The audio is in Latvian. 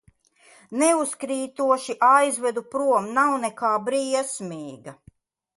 Neuzkrītoši aizvedu prom, nav nekā briesmīga.